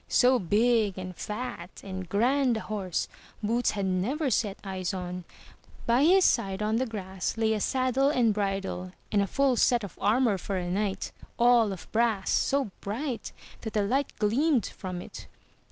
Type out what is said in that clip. So big, and fat, and grand a horse. Boots had never set eyes on; by his side on the grass lay a saddle and bridle, and a full set of armour for a knight, all of brass, so bright that the light gleamed from it.